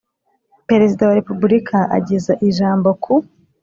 Perezida wa Repubulika ageza ijambo ku